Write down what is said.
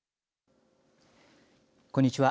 こんにちは。